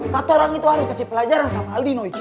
kata orang itu harus kasih pelajaran sama aldino itu